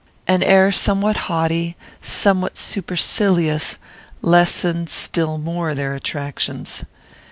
An air somewhat haughty, somewhat supercilious, lessened still more their attractions.